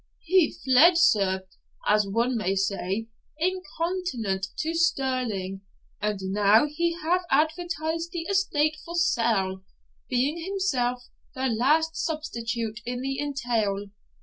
He fled, sir, as one may say, incontinent to Stirling. And now he hath advertised the estate for sale, being himself the last substitute in the entail.